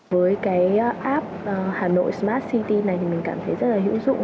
với cái app hà nội smart city này thì mình cảm thấy rất là hữu dụng